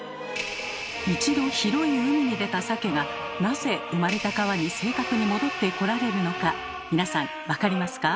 一度広い海に出たサケがなぜ生まれた川に正確に戻ってこられるのか皆さん分かりますか？